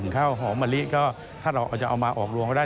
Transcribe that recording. ข้าวหอมมะลิก็ถ้าเราจะเอามาออกรวมก็ได้